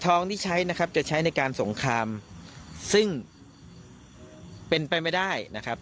ทองที่ใช้นะครับจะใช้ในการสงครามซึ่งเป็นไปไม่ได้นะครับ